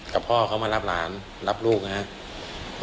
กับพ่อเขามารับหลานรับลูกนะครับ